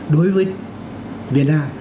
đối với việt nam